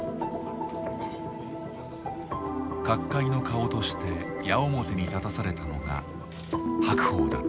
角界の顔として矢面に立たされたのが白鵬だった。